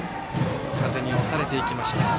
風に押されていきました。